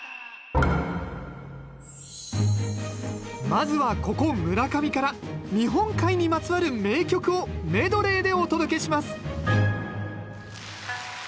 まずはここ村上から日本海にまつわる名曲をメドレーでお届けします！